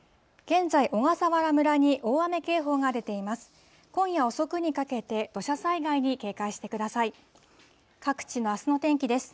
現在、小笠原村に大雨警報が出ています。